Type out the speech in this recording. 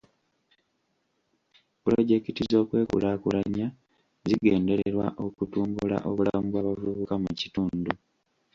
Pulozekiti z'okwekulaakulanya zigendererwa okutumbula obulamu bw'abavubuka mu kitundu.